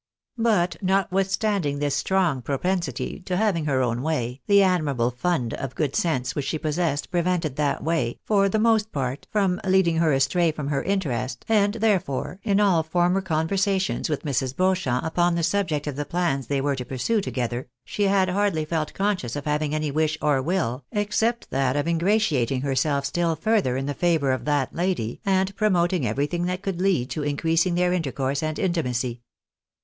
But notwithstanding this strong propensity to having her own way, the admirable fund of good sense which she possessed pre vented that way, for the most part, from leading her astray from her interest, and therefore, in all former conversations with Mrs. Beauchamp upon the subject of the plans they were to pursue together, she had hardly felt conscious of having any wish or will, except that of ingratiating herself still further in the favotir of that lady, and promoting everything that could lead to increasing their intercourse and intimacy.